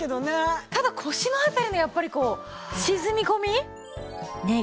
ただ腰の辺りのやっぱりこう沈み込み。